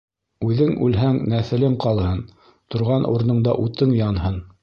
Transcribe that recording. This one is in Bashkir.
Үҙең үлһәң, нәҫелең ҡалһын, торған урыныңда утың янһын.